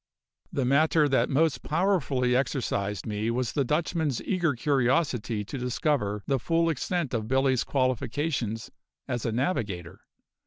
The matter that most powerfully exercised me was the Dutchman's eager curiosity to discover the full extent of Billy's qualifications as a navigator.